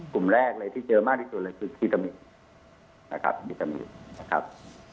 กลุ่มแรกเลยที่เจอมากที่สุดเลยคือพิตามิดนะครับ